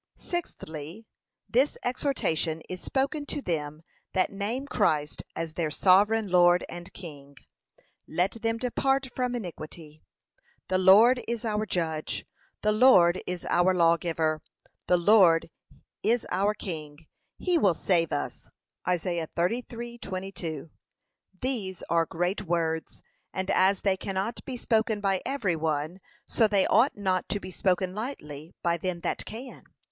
Sixthly, This exhortation is spoken to them that name Christ as their Sovereign Lord and King: let them 'depart from iniquity.' 'The Lord is our judge, the Lord is our Lawgiver, the Lord is our King; he will save us.' (Isa. 33:22) [These] are great words; and as they cannot be spoken by every one, so they ought not to be spoken lightly by them that can.